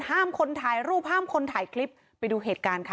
ห้ามคนถ่ายรูปห้ามคนถ่ายคลิปไปดูเหตุการณ์ค่ะ